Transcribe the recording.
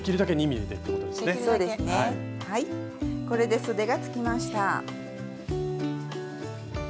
これでそでがつきました。